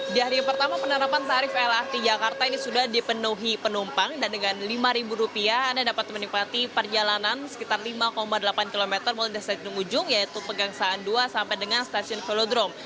di hari pertama penerapan tarif lrt jakarta ini sudah dipenuhi penumpang dan dengan rp lima anda dapat menikmati perjalanan sekitar lima delapan km mulai dari stasiun ujung yaitu pegangsaan dua sampai dengan stasiun velodrome